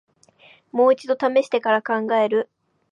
もう一度ためしてから考える